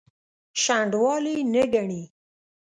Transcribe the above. شنډوالي نه ګڼي.